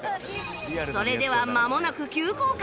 それではまもなく急降下